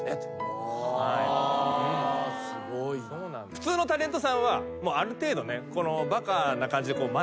普通のタレントさんはある程度ねバカな感じで学びますよね。